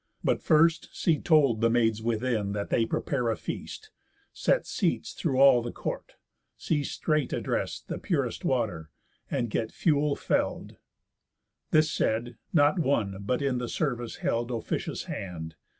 But first, see told The maids within, that they prepare a feast, Set seats through all the court, see straight addrest The purest water, and get fuel fell'd." This said, not one but in the service held Officious hand.